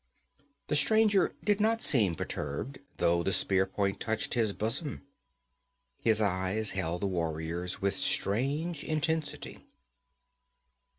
The stranger did not seem perturbed, though the spear point touched his bosom. His eyes held the warrior's with strange intensity.